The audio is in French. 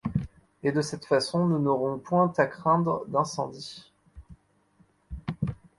Et de cette façon nous n’aurons point à craindre d’incendie.